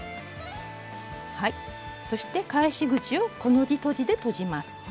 そして返し口をコの字とじでとじます。